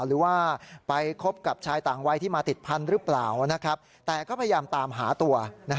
หรือว่าไปคบกับชายต่างวัยที่มาติดพันธุ์หรือเปล่าแต่ก็พยายามตามหาตัว